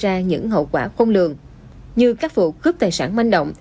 đã gây ra những hậu quả không lường như các vụ cướp tài sản manh động